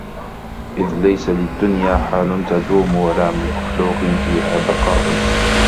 إذْ لَيْسَ لِلدُّنْيَا حَالٌ تَدُومُ وَلَا لِمَخْلُوقٍ فِيهَا بَقَاءٌ